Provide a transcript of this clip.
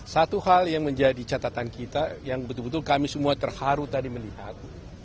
satu hal yang menjadi catatan kita yang betul betul kami semua terharu tadi melihat